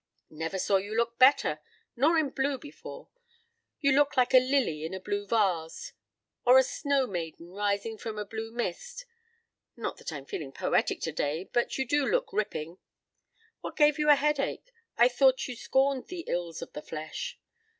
"Never saw you look better. Nor in blue before. You look like a lily in a blue vase, or a snow maiden rising from a blue mist. Not that I'm feeling poetic today, but you do look ripping. What gave you a headache? I thought you scorned the ills of the flesh."